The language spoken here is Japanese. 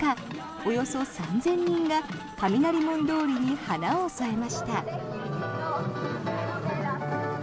およそ３０００人が雷門通りに華を添えました。